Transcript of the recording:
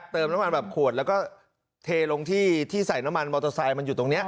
เติมน้ำมันแบบขวดแล้วก็เทลงที่ที่ใส่น้ำมันมอเตอร์ไซค์มันอยู่ตรงนี้